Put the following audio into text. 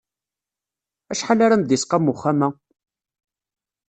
Acḥal ara m-d-isqam uxxam-a?